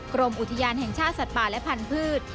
กรมอุทยานแห่งชาติสัตว์ป่าและพันธุ์